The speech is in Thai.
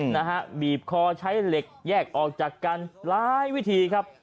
นะฮะบีบคอใช้เหล็กแยกออกจากกันหลายวิธีครับ